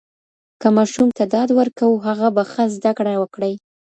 که ماشوم ته ډاډ ورکوو، هغه به ښه زده کړه وکړي.